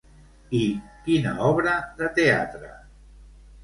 I quina obra de teatre?